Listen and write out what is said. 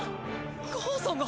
母さんが！？